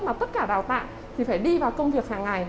mà tất cả đào tạo thì phải đi vào công việc hàng ngày